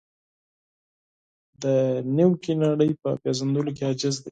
د نوې نړۍ په پېژندلو کې عاجز دی.